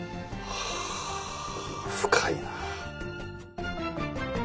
はあ深いな。